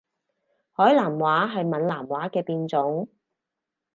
海南話係閩南話嘅變種